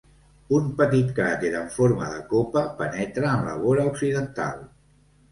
Un petit cràter en forma de copa penetra en la vora occidental.